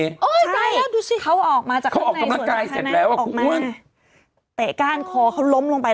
เออใช่เออดูสิเขาออกมาจากข้างในออกมาเตะก้านคอเขาล้มลงไป